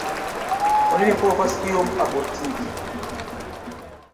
Oni ne povas iom abortigi.